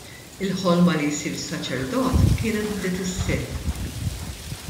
Il-ħolma li jsir saċerdot kienet bdiet isseħħ.